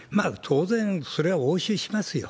当然それは応酬しますよ。